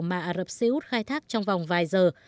mà ả rập xê út khai thác trong vòng vài giờ